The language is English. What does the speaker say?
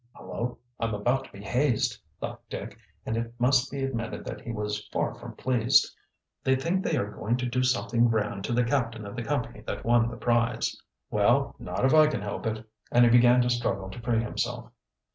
"Hullo, I'm about to be hazed," thought Dick, and it must be admitted that he was far from pleased. "They think they are going to do something grand to the captain of the company that won the prize. Well, not if I can help it," and he began to struggle to free himself.